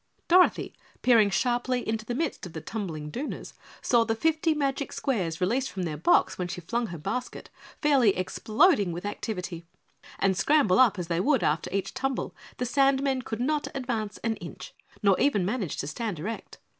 Dorothy, peering sharply into the midst of the tumbling Dooners, saw the fifty magic squares released from their box when she flung her basket, fairly exploding with activity, and scramble up as they would after each tumble, the sandmen could not advance an inch, nor even manage to stand erect.